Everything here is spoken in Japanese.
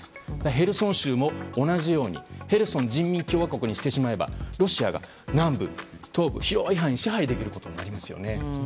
ヘルソン州も同じようにヘルソン人民共和国にしてしまえば、ロシアが南部、東部、広い範囲を支配できることになりますよね。